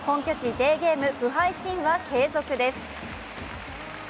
デーゲーム不敗神話継続です。